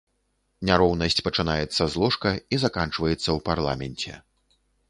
Няроўнасць пачынаецца з ложка і заканчваецца ў парламенце.